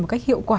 một cách hiệu quả